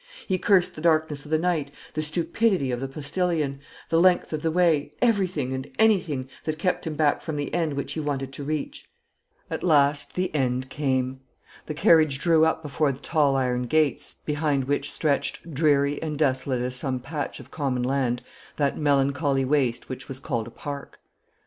He cursed the darkness of the night, the stupidity of the postillion, the length of the way, everything, and anything, that kept him back from the end which he wanted to reach. At last the end came. The carriage drew up before the tall iron gates, behind which stretched, dreary and desolate as some patch of common land, that melancholy waste which was called a park.